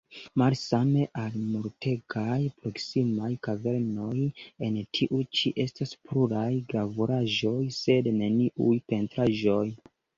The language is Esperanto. Malsame al multegaj proksimaj kavernoj, en tiu ĉi estas pluraj gravuraĵoj, sed neniuj pentraĵoj.